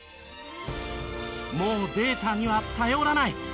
もうデータには頼らない。